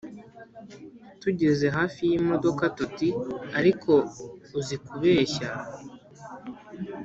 Tugeze hafi y' imodoka tuti:" Ariko uzi kubeshya!!!"